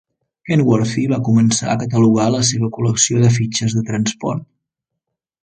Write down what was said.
Kenworthy va començar a catalogar la seva col·lecció de fitxes de transport.